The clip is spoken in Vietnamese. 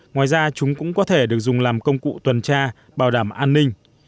ngoài ra chúng cũng có thể được dùng làm công cụ tuần tra bảo đảm an ninh